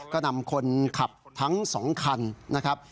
ก็นำคนขับทั้ง๒คันนะครับ